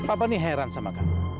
apa nih heran sama kamu